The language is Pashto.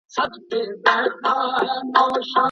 په قلم لیکنه کول سوی اصلي سند په اسانۍ نه بدلیږي.